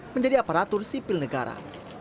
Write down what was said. menjadi aparatur sipil negara